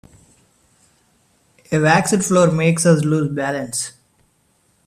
A waxed floor makes us lose balance.